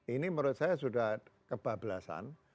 ini menurut saya sudah kebablasan